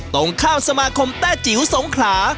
ตรงข้ามสมาคมแต้จิ๋วสงขลา